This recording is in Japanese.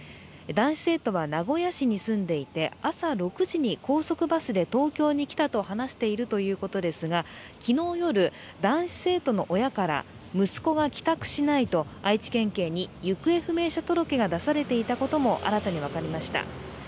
男子生徒は名古屋市に住んでいて朝６時に高速バスで東京に来たと話しているということですが昨日夜、男子生徒の親から息子が帰宅しないと愛知県警に行方不明者届が出されていたことも新たに分かりました。